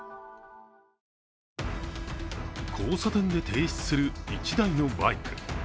交差点で停止する１台のバイク。